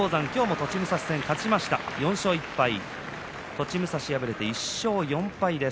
栃武蔵、敗れて１勝４敗です。